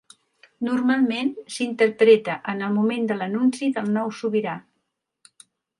Normalment s'interpreta en el moment de l'anunci del nou sobirà.